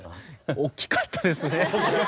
大きかったですね。